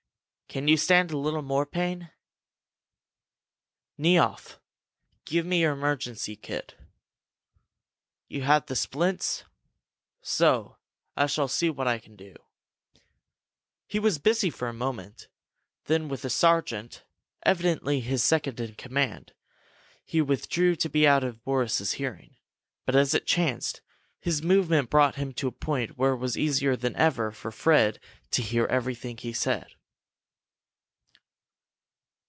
Can you stand a little more pain? Niehoff, give me your emergency kit. You have the splints? So! I shall see what I can do." He was busy for a moment. Then with a sergeant, evidently his second in command, he withdrew to be out of Boris's hearing. But as it chanced, his movement brought him to a point where it was easier than ever for Fred to hear everything he said.